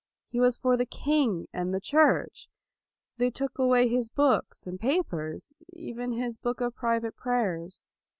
He was for the king and the Church. They took away his books and papers, even his book of private prayers.